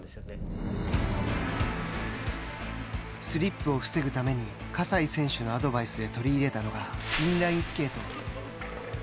スリップを防ぐために葛西選手のアドバイスで取り入れたのがインラインスケート。